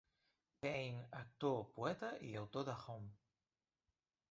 Payne, actor, poeta i autor de Home!